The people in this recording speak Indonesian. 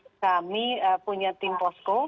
yang kami pastikan setiap menjelang libur panjang seperti ini